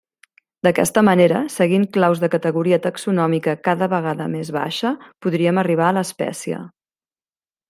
D'aquesta manera, seguint claus de categoria taxonòmica cada vegada més baixa, podríem arribar a l'espècie.